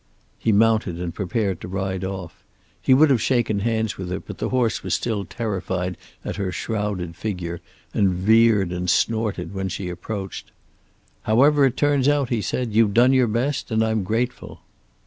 He mounted and prepared to ride off. He would have shaken hands with her, but the horse was still terrified at her shrouded figure and veered and snorted when she approached. "However it turns out," he said, "you've done your best, and I'm grateful."